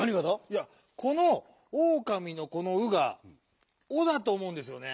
いやこの「おうかみ」のこの「う」が「お」だとおもうんですよね。